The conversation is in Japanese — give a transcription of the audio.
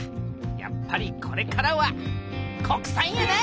やっぱりこれからは国産やな！